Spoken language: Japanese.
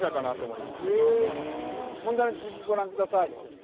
思います問題の続きご覧ください